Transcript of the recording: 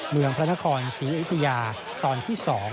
เมืองพระนครศรีไอทิยาตอนที่๒